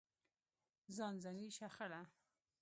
ځانځاني شخړه.